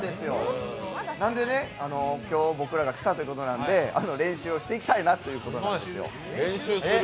なので今日僕らが来たということなんで練習をしていきたいということなんですよ。